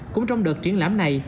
cũng trong đợt triển lãm này